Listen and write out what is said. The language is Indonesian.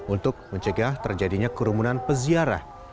untuk mencegah terjadinya kerumunan peziarah